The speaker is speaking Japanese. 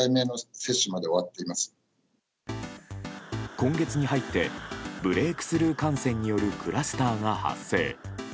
今月に入ってブレークスルー感染によるクラスターが発生。